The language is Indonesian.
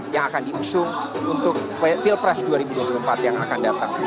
yang akan diusung untuk pilpres dua ribu dua puluh empat yang akan datang